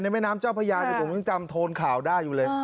แม่น้ำเจ้าพระยาผมยังจำโทนข่าวได้อยู่เลย